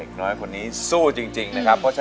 น้อยคนนี้สู้จริงนะครับ